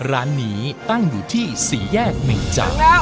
ร้านนี้ตั้งอยู่ที่สี่แยกเมงจักร